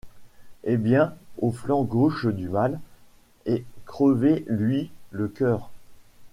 Eh bien, au flanc gauche du mâle, et crevez-lui le cœur!